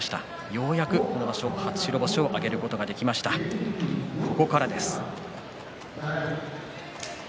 ようやく初白星を挙げることができました、ここからです。